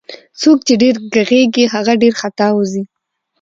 څوک چي ډير ږغږي هغه ډير خطاوزي